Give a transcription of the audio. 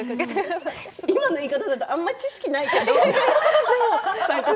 今の言い方だとあまり知識がない感じ。